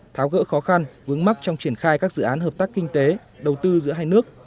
tháo gỡ khó khăn vướng mắt trong triển khai các dự án hợp tác kinh tế đầu tư giữa hai nước